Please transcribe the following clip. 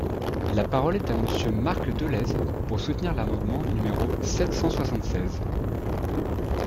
La parole est à Monsieur Marc Dolez, pour soutenir l’amendement numéro sept cent soixante-seize.